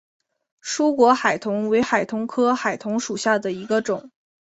疏果海桐为海桐科海桐属下的一个种。